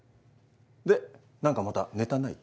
で何かまたネタない？